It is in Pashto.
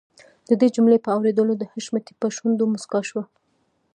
د دې جملې په اورېدلو د حشمتي په شونډو مسکا شوه.